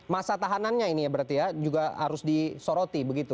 masa tahanannya ini ya berarti ya juga harus disoroti begitu